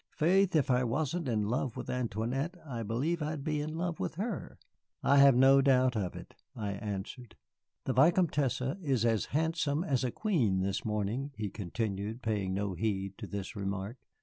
Faith, if I wasn't in love with Antoinette, I believe I'd be in love with her." "I have no doubt of it," I answered. "The Vicomtesse is as handsome as a queen this morning," he continued paying no heed to this remark.